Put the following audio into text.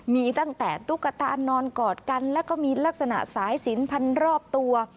มีตั้งแต่ตุ๊กตานอนกอดกันแล้วก็มีลักษณะสายสินพันรอบตัว